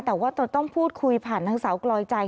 แต่ว่าต้องพูดคุยผ่านนางสาวกลอยใจ